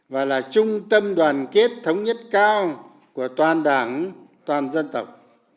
và là trung tâm đoàn kết thống nhất cao của toàn đảng toàn dân tộc